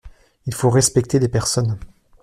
Il faut respecter les personnes.